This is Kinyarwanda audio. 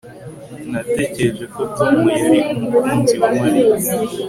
Natekereje ko Tom yari umukunzi wa Mariya